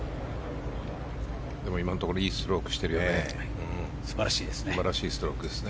今のところいいストロークしてるよね。